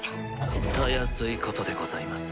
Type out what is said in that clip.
たやすいことでございます。